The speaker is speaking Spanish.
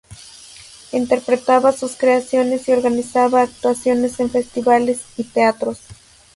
Interpretaba sus creaciones y organizaba actuaciones en festivales y teatros.